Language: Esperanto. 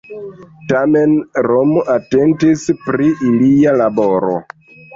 Tamen Romo atentis pri ilia laboro.